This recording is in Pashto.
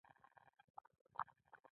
تیمور شاه پتېیلې وه چې ملتان به فتح کوي.